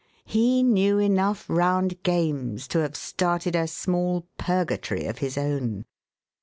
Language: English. He knew enough round games to have started a small purgatory of his own.